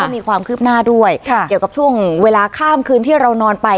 มีความคืบหน้าด้วยเกี่ยวกับช่วงเวลาข้ามคืนที่เรานอนไป